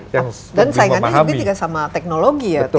iya dan saingannya juga tidak sama teknologi ya